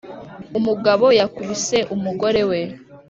Umugabo yakubise umgore we